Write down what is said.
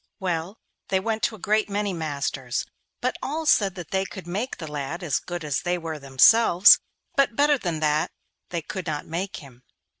Well, they went to a great many masters, but all said that they could make the lad as good as they were themselves, but better than that they could not make him.